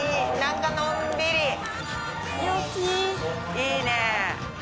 いいね。